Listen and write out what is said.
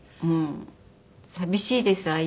もう寂しいです。